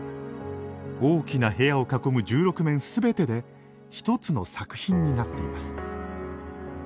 大きな部屋を囲む１６面すべてで一つの作品になっています。